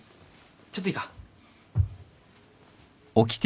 ちょっといいか？